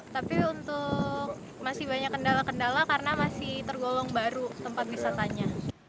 tapi untuk masih banyak kendala kendala karena masih tergolong baru tempat wisatanya